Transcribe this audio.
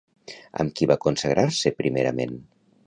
Amb qui va consagrar-se, primerament?